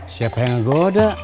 siapa yang menggoda